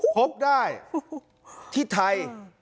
พบได้ที่ไทย